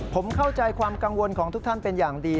ผมเข้าใจความกังวลของทุกท่านเป็นอย่างดี